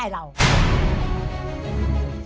ทหาร